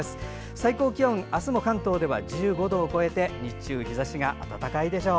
最高気温、明日も関東では１５度を超え日中、日ざしが暖かいでしょう。